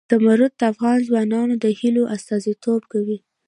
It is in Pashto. زمرد د افغان ځوانانو د هیلو استازیتوب کوي.